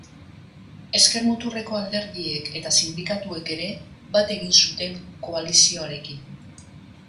Ezker-muturreko alderdiek eta sindikatuek ere bat egin zuten koalizioarekin.